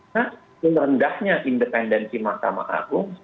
nah merendahnya independensi mahkamah agung